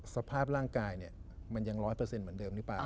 สภาพร่างกายมันยัง๑๐๐เหมือนเดิมหรือเปล่า